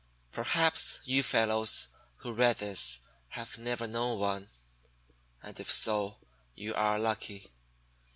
Perhaps you fellows who read this have never known one; and if so, you are lucky.